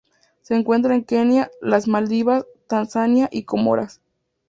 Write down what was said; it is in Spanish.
Se encuentra en Kenia, las Maldivas, Tanzania y Comoras.